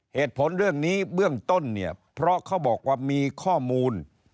เหตุผลเรื่องนี้เบื้องต้นเนี่ยเพราะเขาบอกว่ามีข้อมูล